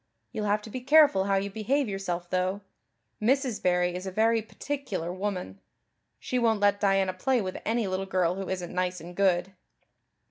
You'll have to be careful how you behave yourself, though. Mrs. Barry is a very particular woman. She won't let Diana play with any little girl who isn't nice and good."